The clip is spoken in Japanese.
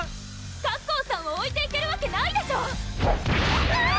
カッコーさんをおいていけるわけないでしょヒィッ！